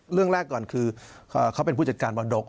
เรื่องแรกก่อนคือเขาเป็นผู้จัดการมรดก